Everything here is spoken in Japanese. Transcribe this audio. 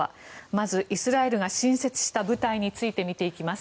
まず、イスラエルが新設した部隊について見ていきます。